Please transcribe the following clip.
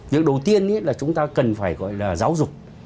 việc đầu tiên là chúng ta cần phải gọi là giáo dục